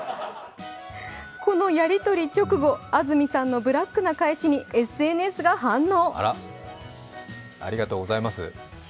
このやりとり直後、安住さんのブラックな返しにＳＮＳが反応。